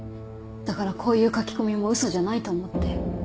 だからこういう書き込みも嘘じゃないと思って。